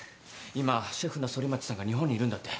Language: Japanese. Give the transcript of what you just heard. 今シェフの反町さんが日本にいるんだって。